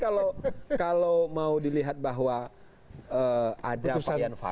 tetapi kalau mau dilihat bahwa ada pak ian fadlid